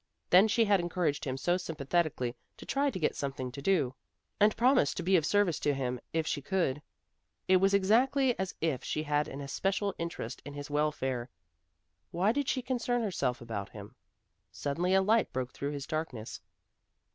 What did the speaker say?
Then she had encouraged him so sympathetically to try to get something to do, and promised to be of service to him if she could. It was exactly as if she had an especial interest in his welfare. Why did she concern herself about him? Suddenly a light broke through his darkness.